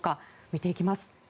見ていきます。